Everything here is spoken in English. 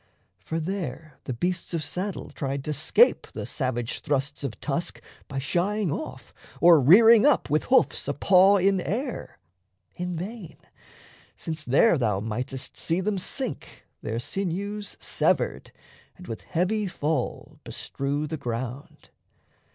For there the beasts of saddle tried to scape The savage thrusts of tusk by shying off, Or rearing up with hoofs a paw in air. In vain since there thou mightest see them sink, Their sinews severed, and with heavy fall Bestrew the ground.